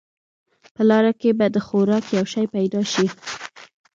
په لاره کې به د خوراک یو شی پیدا شي.